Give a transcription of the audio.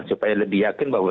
supaya lebih yakin bahwa